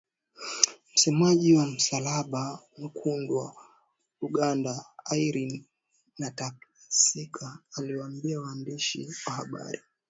Msemaji wa Msalaba Mwekundu wa Uganda Irene Nakasita aliwaambia waandishi wa habari